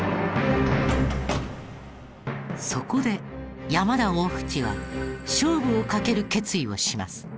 そこで山田大渕は勝負を賭ける決意をします。